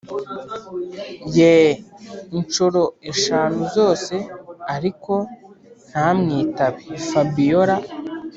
ye inshoro eshanu zose ariko ntamwitabe fabiora